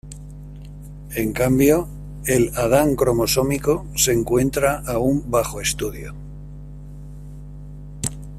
En cambio al Adán cromosómico se encuentra aún bajo estudio.